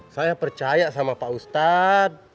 saya percaya sama pak ustadz